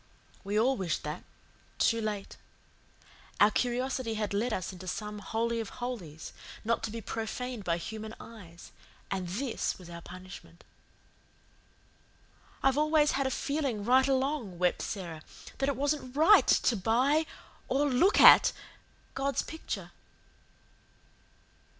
We all wished that too late. Our curiosity had led us into some Holy of Holies, not to be profaned by human eyes, and this was our punishment. "I've always had a feeling right along," wept Sara, "that it wasn't RIGHT to buy or LOOK AT God's picture."